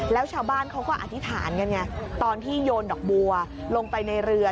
แล้วชาวบ้านเขาก็อธิษฐานกันไงตอนที่โยนดอกบัวลงไปในเรือ